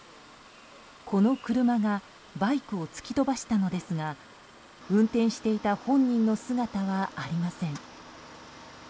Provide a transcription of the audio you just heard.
この車がバイクを突き飛ばしたのですが運転していた本人の姿はありません。